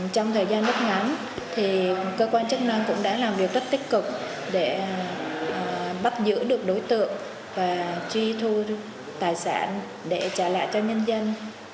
trong thời gian rất ngắn cơ quan chức năng cũng đã làm việc rất tích cực để bắt giữ được đối tượng và truy thu tài sản để trả lại cho nhân dân